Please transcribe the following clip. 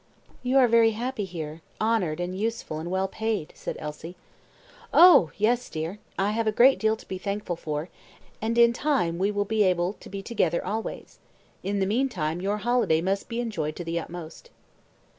"You are very happy here; honoured, and useful, and well paid," said Elsie. "Oh! yes, dear; I have a great deal to be thankful for, and in time we will be able to be together always. In the meantime your holiday must be enjoyed to the utmost."